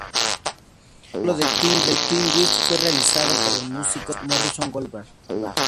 El solo de "tin whistle" fue realizado por el músico de jazz Morris Goldberg.